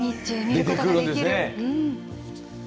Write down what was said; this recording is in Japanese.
出てくるんですね。